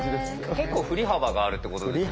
結構振り幅があるってことですね。